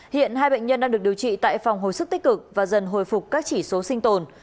hiện hai bệnh nhân đang được điều trị tại phòng hồi sức tích cực và dần hồi phục các chỉ số sinh tồn